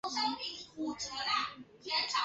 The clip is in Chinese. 曹火星身边的战友先后牺牲了。